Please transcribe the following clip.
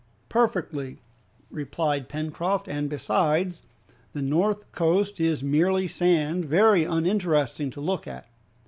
"Perfectly," replied Pencroft, "and besides, the north coast is merely sand, very uninteresting to look at."